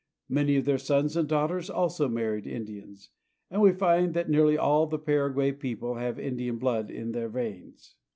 Many of their sons and daughters also mar ried Indians, and we find that nearly all the Paraguay people have Indian blood in their veins.